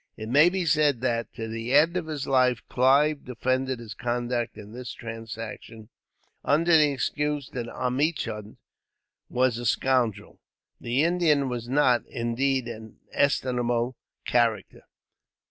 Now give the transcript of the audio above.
It may be said that, to the end of his life, Clive defended his conduct in this transaction, under the excuse that Omichund was a scoundrel. The Indian was not, indeed, an estimable character.